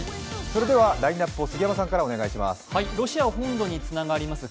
それではラインナップを杉山さんからお願いします。